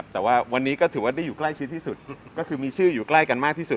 แต่ว่าวันนี้ก็ถือว่าได้อยู่ใกล้ชิดที่สุดก็คือมีชื่ออยู่ใกล้กันมากที่สุด